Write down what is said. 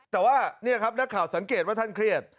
แต่ว่านี่ครับนักข่าวสังเกตว่าท่านเครียด